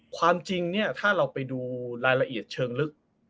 ความจริงเนี่ยถ้าเราไปดูรายละเอียดเชิงลึก